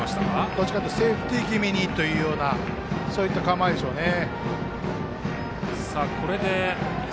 どちらかというとセーフティー気味にというそういった構えでしょうね。